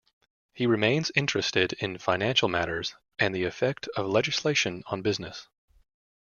He remains interested in financial matters and the effect of legislation on business.